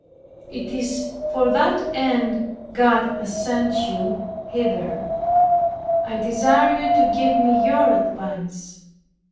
It is for that end God has sent you hither; I desire you to give me your advice."